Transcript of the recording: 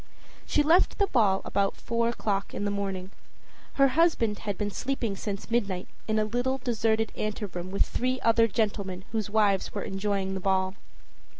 She left the ball about four o'clock in the morning. Her husband had been sleeping since midnight in a little deserted anteroom with three other gentlemen whose wives were enjoying the ball.